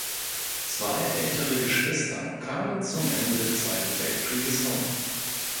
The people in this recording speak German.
Zwei ältere Geschwister kamen zum Ende des Zweiten Weltkrieges um.